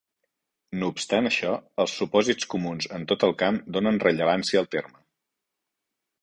No obstant això, els supòsits comuns en tot el camp donen rellevància al terme.